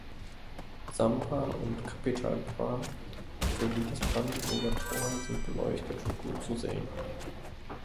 Samra und Capital Bra sowie das Brandenburger Tor sind beleuchtet und gut zu sehen.